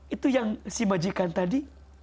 itu yang si majikan tadi